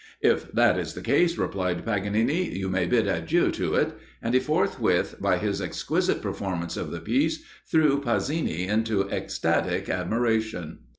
"If that is the case," replied Paganini, "you may bid adieu to it," and he forthwith, by his exquisite performance of the piece, threw Pasini into extatic admiration.